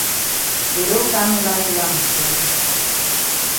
Dey don kam light lamp for we.